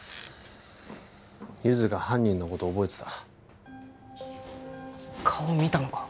ゆづが犯人のこと覚えてた顔見たのか？